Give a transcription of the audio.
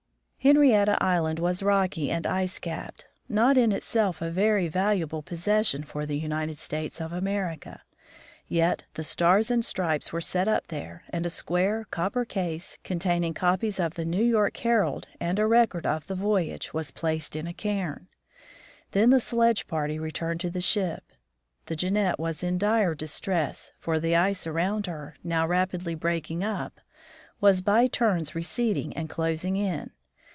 Henrietta island was rocky and ice capped, not in itself a very valuable possession for the United States of America ; yet the Stars and Stripes were set up there, and a square copper case, containing copies of the New York Herald and a record of the voyage, was placed in a cairn. Then the sledge party returned to the ship. The Jeannette was in dire distress, for the ice around her, now rapidly break ing up, was by turns receding and closing in.